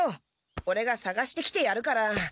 オレがさがしてきてやるから。